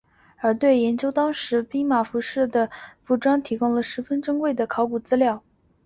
因而对研究当时骑兵服饰和装备提供了十分珍贵的考古资料。